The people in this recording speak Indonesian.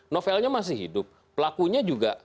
novelnya masih hidup pelakunya juga